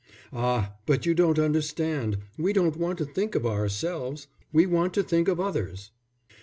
"Ah, but you don't understand, we don't want to think of ourselves, we want to think of others."